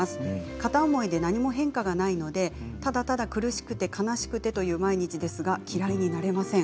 片思いで何も変化がないのでただただ苦しくて悲しくてという毎日ですが嫌いになれません。